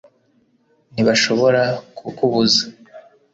ntibashobora kukubuza